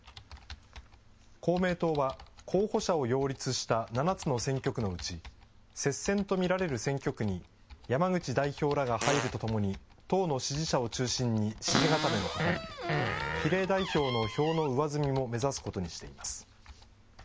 公明党は候補者を擁立した７つの選挙区のうち、接戦と見られる選挙区に山口代表らが入るとともに、党の支持者を中心に支持固めを図り、比例代表の票の上積みも目指すことにしています。